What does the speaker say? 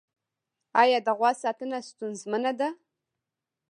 آیا د غوا ساتنه ستونزمنه ده؟